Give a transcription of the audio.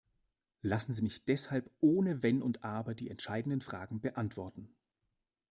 Lassen Sie mich deshalb ohne Wenn und Aber die entscheidenden Fragen beantworten.